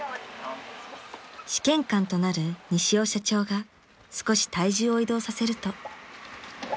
［試験官となる西尾社長が少し体重を移動させると］